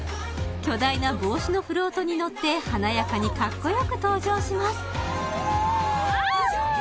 巨大な帽子のフロートに乗って華やかにかっこよく登場しますイエーイ！